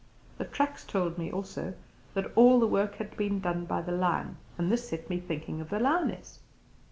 The tracks told me, also, that all the work had been done by the lion, and this set me thinking of the lioness.